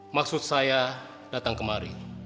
maksud saya datang kemari